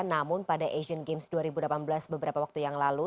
namun pada asian games dua ribu delapan belas beberapa waktu yang lalu